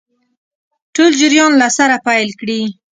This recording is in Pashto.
ټول جریان له سره پیل کړي.